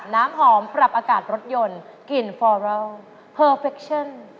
น้ำหอมปรับอากาศรถยนต์กลิ่นฟอรอลเพอร์เฟคชั่น